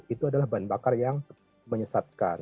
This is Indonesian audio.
itu adalah bahan bakar yang menyesatkan